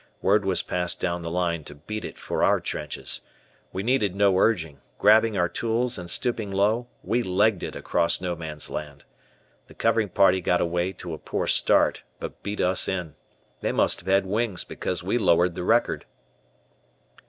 Word was passed down the line to beat it for our trenches. We needed no urging; grabbing our tools and stooping low, we legged it across No Man's Land. The covering party got away to a poor start but beat us in. They must have had wings because we lowered the record.